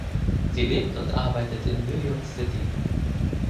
Sie lebt und arbeitet in New York City.